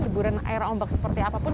hiburan air ombak seperti apapun